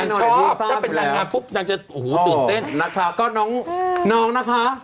ชอบถ้าเป็นแรงงานปุ๊บนางจะโอ้โหตื่นเต้นนะคะก็น้องน้องนะคะ